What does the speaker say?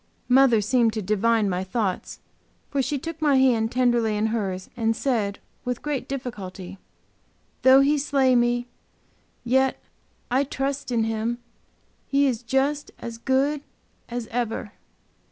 Mother seemed to divine my thoughts, for she took my hand tenderly in hers and said, with great difficulty: "Though He slay me, yet will I trust in Him. He is just as good as ever."